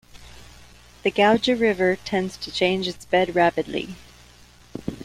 The Gauja River tends to change its bed rapidly.